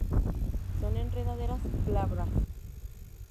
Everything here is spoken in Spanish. Son enredaderas glabras.